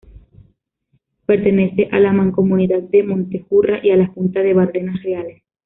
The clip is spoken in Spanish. Pertenece a la Mancomunidad de Montejurra y a la Junta de Bardenas Reales.